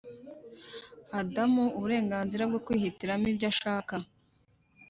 Adamu uburenganzira bwo kwihitiramo ibyo ashaka